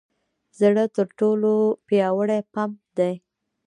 زړه تر ټولو پیاوړې پمپ دی.